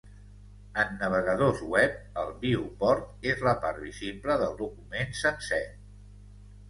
En navegadors web, el "viewport" és la part visible del document sencer.